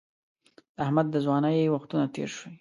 د احمد د ځوانۍ وختونه تېر شوي.